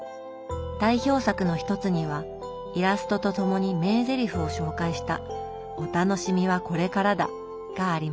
代表作の一つにはイラストとともに名ゼリフを紹介した「お楽しみはこれからだ」があります。